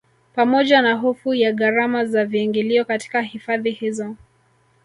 Pamoja na hofu ya gharama za viingilio katika hifadhi hizo